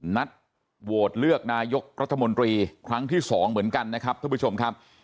นัดโหวตเลือกนายกรัฐมนตรีครั้งที่๒เหมือนกันนะครับท่านผู้ชมครับ